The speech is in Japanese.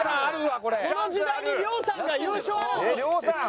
この時代に亮さんが優勝争い！